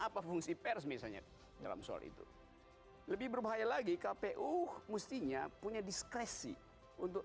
apa fungsi pers misalnya dalam soal itu lebih berbahaya lagi kpu mestinya punya diskresi untuk